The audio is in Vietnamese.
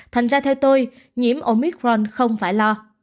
thành ra theo tôi nhiễm omicron không phải lo